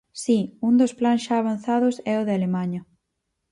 Si, un dos plans xa avanzados é o de Alemaña.